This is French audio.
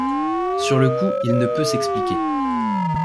Sur le coup, il ne peut s'expliquer.